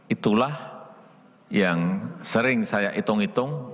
itulah yang sering saya hitung hitung